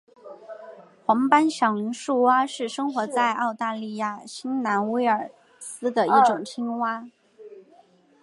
黄斑响铃树蛙是生活在澳大利亚新南威尔斯的一种青蛙。